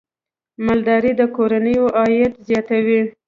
مالدارۍ د کورنیو عاید زیاتوي.